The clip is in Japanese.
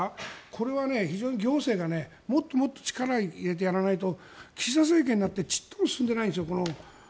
これは非常に行政がもっともっと力を入れてやらないと岸田政権になってちっとも進んでないんですよ